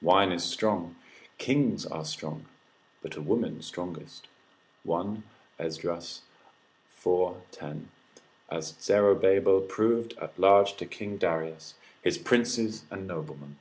Wine is strong, kings are strong, but a woman strongest, 1 Esd. iv. 10. as Zerobabel proved at large to King Darius, his princes and noblemen.